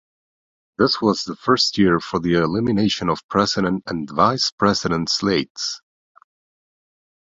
This was the first year for the elimination of President and Vice President slates.